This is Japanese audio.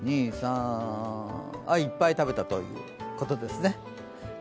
１、２、３いっぱい食べたということですね。